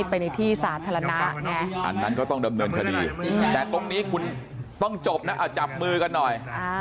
อันนั้นก็ต้องดำเนินคดีแต่ตรงนี้คุณต้องจบนะอ่าจับมือกันหน่อย